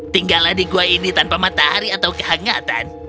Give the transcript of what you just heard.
tinggallah di gua ini tanpa matahari atau kehangatan